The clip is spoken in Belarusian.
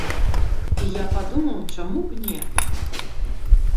І я падумаў, чаму б не?